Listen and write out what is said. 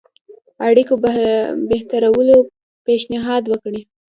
اړيکو بهترولو پېشنهاد وکړي.